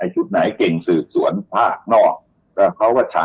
ชุดไหนเก่งสืบสวนภาคนอก